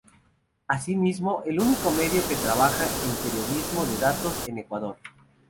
Asimismo, es el único medio que trabaja en periodismo de datos en Ecuador.